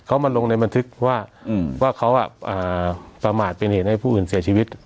เขามาลงในบันทึกว่าเขาประมาทเป็นเหตุให้ผู้อื่นเสียชีวิต